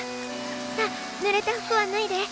さあぬれた服はぬいで。